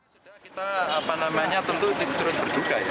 sudah kita apa namanya tentu turun berduka ya